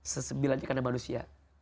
sesembilannya karena manusia